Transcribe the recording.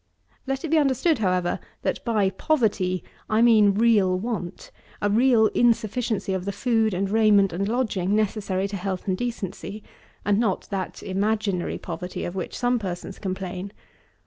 6. Let it be understood, however, that, by poverty, I mean real want, a real insufficiency of the food and raiment and lodging necessary to health and decency; and not that imaginary poverty, of which some persons complain.